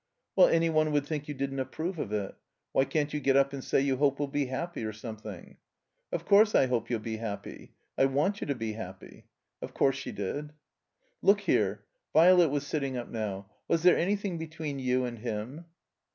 "Well, any one would think you didn't approve of it. Why can't you get up and say you hope we'll be happy, or something?" "Of coiu'se, I hope you'll be happy. I want you to be happy." (Of course she did.) "Look here" — ^Violet was sitting up now — *'was there anything between you and him?"